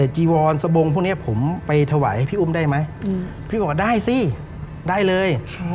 จีวอนสบงพวกนี้ผมไปถวายพี่อุ้มได้ไหมพี่บอกว่าได้สิได้เลย